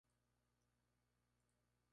Sus padres son de la clase media.